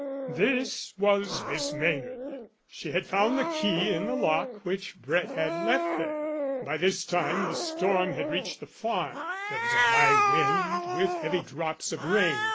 This was Miss Maynard. She had found the key in the lock which Brett had left there. By this time the storm had reached the farm. There was a high wind with heavy drops of rain.